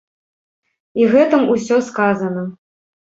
І гэтым усё сказана.